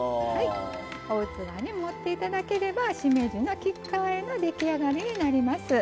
お器に盛って頂ければしめじの菊花あえの出来上がりになります。